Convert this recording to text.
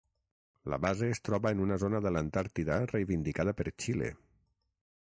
La base es troba en una zona de l'Antàrtida reivindicada per Xile.